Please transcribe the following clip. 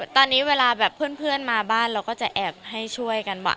ตอนนี้เวลาแบบเพื่อนมาบ้านเราก็จะแอบให้ช่วยกันว่า